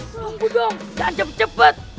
tolong budong jangan cepet cepet